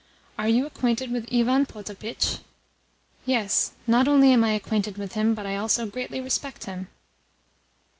Are you acquainted with Ivan Potapitch?" "Yes, not only am I acquainted with him, but I also greatly respect him."